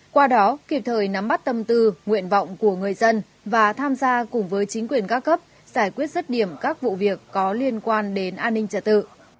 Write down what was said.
qua đó kịp thời nắm bắt tâm tư nguyện vọng của người dân và tham gia cùng với chính quyền các cấp giải quyết rứt điểm các vụ việc có liên quan đến an ninh trả tự